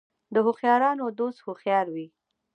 د هوښیارانو دوست هوښیار وي .